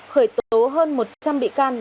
khởi tố hơn một trăm linh bị can